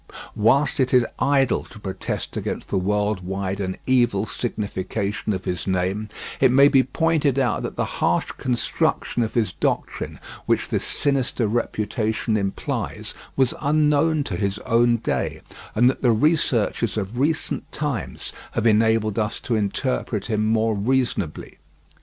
Whilst it is idle to protest against the world wide and evil signification of his name, it may be pointed out that the harsh construction of his doctrine which this sinister reputation implies was unknown to his own day, and that the researches of recent times have enabled us to interpret him more reasonably.